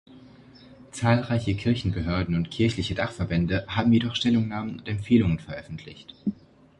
Zahlreiche Kirchenbehörden und kirchliche Dachverbände haben jedoch Stellungnahmen und Empfehlungen veröffentlicht.